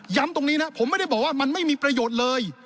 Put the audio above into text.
ตรงนี้นะผมไม่ได้บอกว่ามันไม่มีประโยชน์เลย